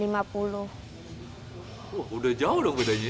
wah udah jauh dong bedanya